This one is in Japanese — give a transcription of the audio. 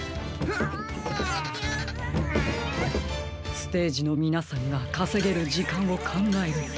ステージのみなさんがかせげるじかんをかんがえると。